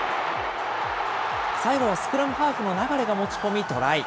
最後はスクラムハーフの流が持ち込み、トライ。